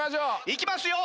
いきますよ。